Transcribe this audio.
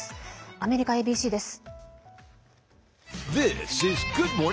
アメリカＡＢＣです。